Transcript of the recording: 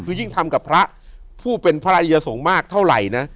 คือยิ่งทำกับพระผู้เป็นพระอริยสงฆ์มากเท่าไหร่นะ